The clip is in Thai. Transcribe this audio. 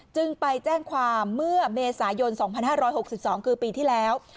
จึงไปแจ้งความเมื่อเมษายน๒๕๖๒คือปีที่แล้ว